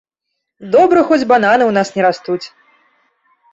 Добра, хоць бананы ў нас не растуць!